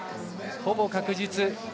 ほぼ確実。